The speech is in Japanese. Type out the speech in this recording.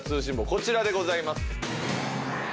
こちらでございます。